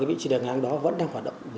ở vị trí đường ngang đó vẫn đang hoạt động